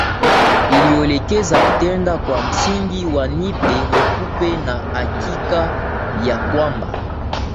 iliyoelekeza kutenda kwa msingi wa nipe nikupe na hakika ya kwamba